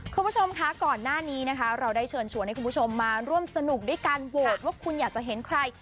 คุณผู้ชมคะก่อนหน้านี้นะคะเราได้เชิญชวนให้คุณผู้ชมมาร่วมสนุกด้วยการโหวตว่าคุณอยากจะเห็นใคร